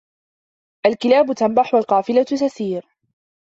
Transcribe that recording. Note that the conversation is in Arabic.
الكلاب تنبح والقافلة تسير